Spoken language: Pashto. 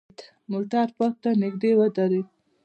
موټر پارک ته نژدې ودرید.